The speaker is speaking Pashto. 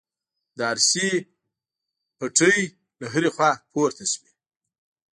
د ارسي پټې له هرې خوا پورته شوې.